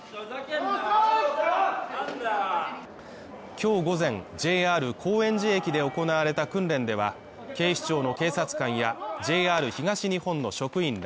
今日午前、ＪＲ高円寺駅で行われた訓練では、警視庁の警察官やＪＲ東日本の職員ら